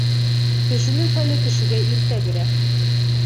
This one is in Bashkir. Кешенең хәле кешегә иртә керә